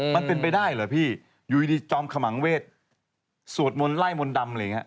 มันเป็นไปได้เหรอพี่อยู่ดีจอมขมังเวศสวดมนต์ไล่มนต์ดำอะไรอย่างนี้